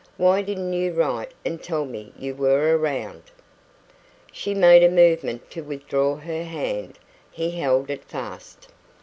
Why didn't you write and tell me you were around?" She made a movement to withdraw her hand. He held it fast.